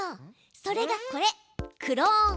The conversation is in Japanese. それがこれ「クローンを作る」よ。